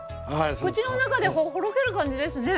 口の中でほどける感じですね。